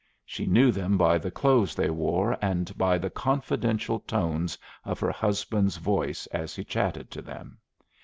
She knew them by the clothes they wore and by the confidential tones of her husband's voice as he chatted to them.